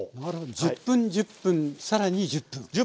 １０分１０分更に１０分。